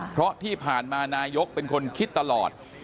เพราะที่ผ่านมานายกเป็นคนคิดตลอด